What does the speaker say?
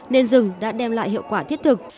nên rừng đã đem lại hiệu quả thiết thực